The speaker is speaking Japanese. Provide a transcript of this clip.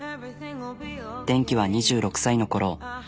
転機は２６歳のころ。